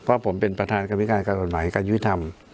เพราะผมเป็นประธานกรรมวิการการกฎหมายการยุทธรรม